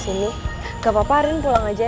aku mau pergi ke rumah